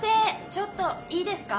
ちょっといいですか？